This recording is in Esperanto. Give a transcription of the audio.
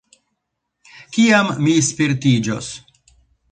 Kiam mi spertiĝos?